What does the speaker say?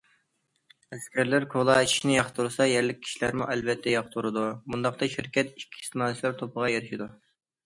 ئەسكەرلەر كولا ئىچىشنى ياقتۇرسا، يەرلىك كىشىلەرمۇ ئەلۋەتتە ياقتۇرىدۇ، بۇنداقتا شىركەت ئىككى ئىستېمالچىلار توپىغا ئېرىشىدۇ.